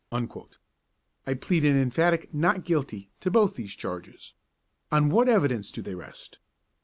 I plead an emphatic not guilty to both these charges. On what evidence do they rest?